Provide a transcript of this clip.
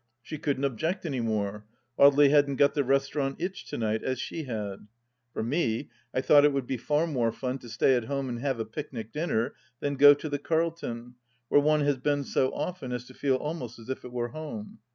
She couldn't object any more ; Audely hadn't got the restaurant itch to night, as she had. For me, I thought it would be far more fun to stay at home and have a picnic dinner than go to the Carlton, where one has been so often as to feel almost as if it were home.